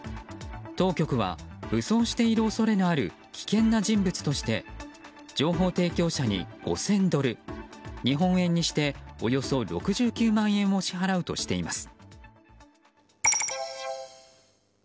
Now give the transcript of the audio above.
当局は、武装している恐れのある危険な人物として情報提供者に、５０００ドル日本円にしておよそ６９万円を支払うとしています。